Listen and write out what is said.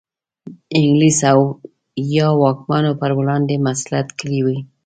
انګلیس او یا واکمنو پر وړاندې مصلحت کړی وي.